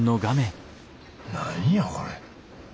何やこれ。